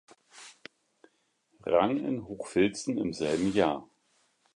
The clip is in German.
Rang in Hochfilzen im selben Jahr.